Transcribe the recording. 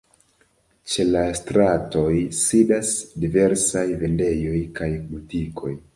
Ĉe la stratoj sidas diversaj vendejoj kaj butikoj.